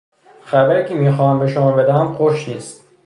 خبری که میخواهم به شما بدهم خوش نیست.